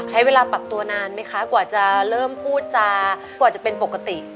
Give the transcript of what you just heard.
ใช้เวลาปรับตัวนานไหมคะกว่าจะเริ่มพูดจากว่าจะเป็นปกติ